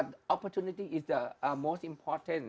tapi kesempatan adalah yang paling penting